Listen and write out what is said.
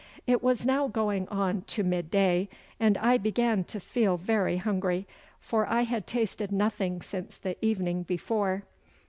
It was now going on to mid day, and I began to feel very hungry, for I had tasted nothing since the evening before.